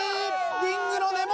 リングの根元！